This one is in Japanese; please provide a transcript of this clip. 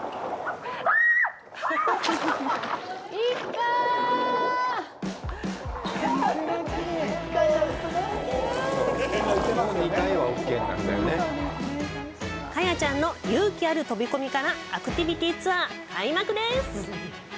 カヤちゃんの勇気ある飛び込みからアクティビティツアー開幕です！